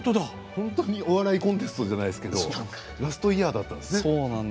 本当に、お笑いコンテストじゃないですけどラストイヤーだったんですね。